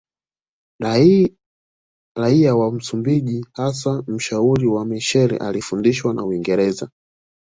Raia wa Msumbiji hasa mshauri wa Machel alifundishwa na Uingereza